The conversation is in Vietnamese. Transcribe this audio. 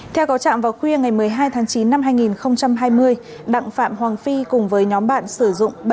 theo có trạm vào khuya ngày một mươi hai tháng chín năm hai nghìn hai mươi đặng phạm hoàng phi cùng với nhóm bạn sử dụng